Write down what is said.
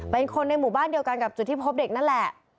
เป็นคนในหมู่บ้านเดียวกันกับจุดที่พบเด็กนั่นแหละ